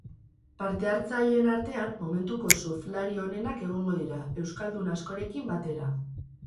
Partehartzaileen artean momentuko surfalri onenak egongo dira, euskaldun askorekin batera.